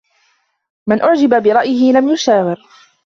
مَنْ أُعْجِبَ بِرَأْيِهِ لَمْ يُشَاوِرْ